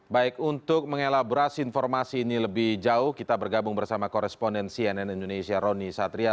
baik untuk mengelaborasi informasi ini lebih jauh kita bergabung bersama koresponden cnn indonesia roni satria